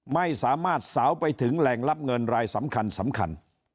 ไม่สามารถสาวไปถึงแหล่งรับเงินรายสำคัญสำคัญ